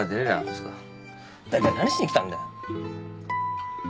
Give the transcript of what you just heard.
つうかだいたい何しに来たんだよ。